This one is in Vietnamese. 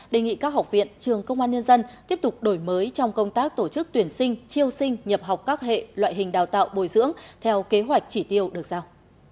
đề nghị các học viện trường công an nhân dân tiếp tục đổi mới trong công tác tổ chức tuyển sinh triêu sinh nhập học các hệ loại hình đào tạo bồi dưỡng theo kế hoạch chỉ tiêu được giao